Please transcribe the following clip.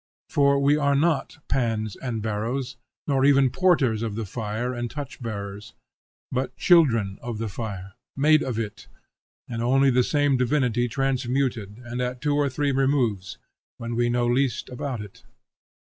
For we are not pans and barrows, nor even porters of the fire and torch bearers, but children of the fire, made of it, and only the same divinity transmuted and at two or three removes, when we know least about it.